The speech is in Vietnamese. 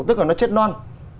tức là nó chết non